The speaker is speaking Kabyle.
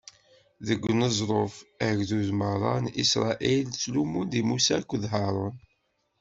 Deg uneẓruf, agdud meṛṛa n Isṛayil ttlummun di Musa akked Haṛun.